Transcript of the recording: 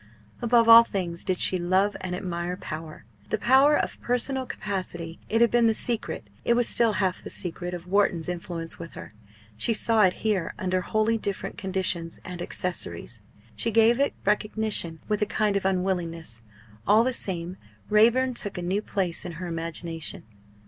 Above all things did she love and admire power the power of personal capacity. It had been the secret, it was still half the secret, of Wharton's influence with her. She saw it here under wholly different conditions and accessories. She gave it recognition with a kind of unwillingness. All the same, Raeburn took a new place in her imagination.